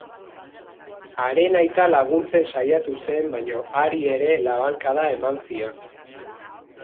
Haren aita laguntzen saiatu zen baina hari ere labankada eman zion.